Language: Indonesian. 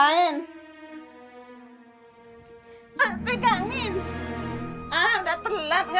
mendingan kita makan aja